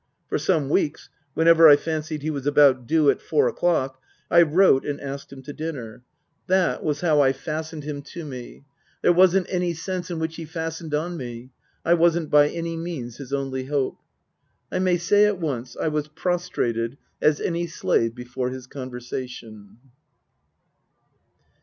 For some weeks, when ever I fancied he was about due at four o'clock, I wrote and asked him to dinner. That was how I fastened him Book I : My Book 23 to me. There wasn't any sense in which he fastened on me. I wasn't by any means his only hope. I may say at once I was prostrated as any slave before his conversation.